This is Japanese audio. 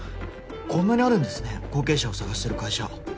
こんなにあるんですね後継者を探してる会社。